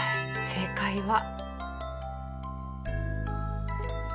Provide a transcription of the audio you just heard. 正解は。